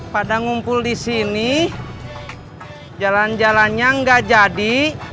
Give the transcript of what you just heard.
pada ngumpul di sini jalan jalannya nggak jadi